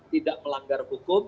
tidak melanggar hukum